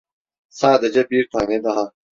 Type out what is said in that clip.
Sadece bir tane daha.